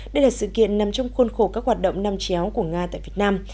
đây là sự kiện nằm trong khuôn khổ các hoạt động năm chéo của nga tại việt nam